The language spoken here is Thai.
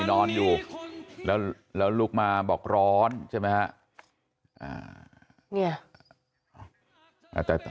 นอนอยู่แล้วแล้วลุกมาบอกร้อนใช่ไหมฮะ